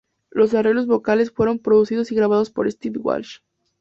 Los arreglos vocales fueron producidos y grabados por Steve Walsh.